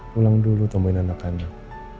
pulang dulu tambahin anak anak